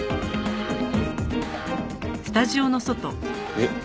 えっ？